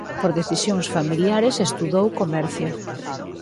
Por decisións familiares estudou Comercio.